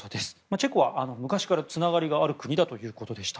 チェコは昔からつながりがある国だということでした。